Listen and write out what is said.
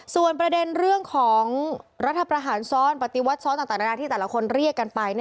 ส่วนประเด็นเรื่องของรัฐประหารซ้อนปฏิวัติซ้อนต่างนานาที่แต่ละคนเรียกกันไป